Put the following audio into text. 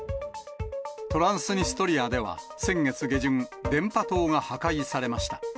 トランスニストリアでは、先月下旬、電波塔が破壊されました。